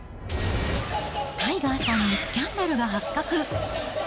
タイガーさんにスキャンダルが発覚。